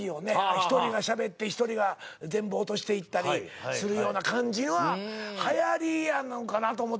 １人がしゃべって１人が全部落としていったりするような感じははやりやのかなと思て。